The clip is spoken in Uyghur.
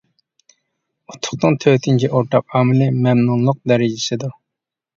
ئۇتۇقنىڭ تۆتىنچى ئورتاق ئامىلى مەمنۇنلۇق دەرىجىسىدۇر.